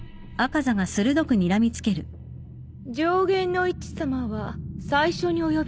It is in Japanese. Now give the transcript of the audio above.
上弦の壱さまは最初にお呼びしました。